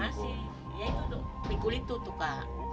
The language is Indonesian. masih di kulit itu juga